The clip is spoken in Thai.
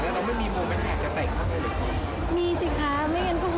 หรือว่าผู้ชายเข้าของเราแต่งค้าแล้วเราไม่มีโมเม้นแทนจะแต่งเข้าไปหรือครับ